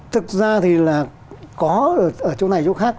thực ra thì là có ở chỗ này chỗ khác